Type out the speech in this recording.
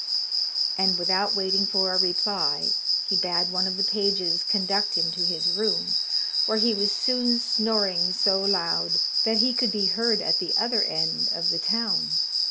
And without waiting for a reply he bade one of the pages conduct him to his room, where he was soon snoring so loud that he could be heard at the other end of the town.